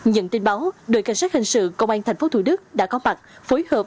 nhận tin báo đội cảnh sát hình sự công an tp thủ đức đã có mặt phối hợp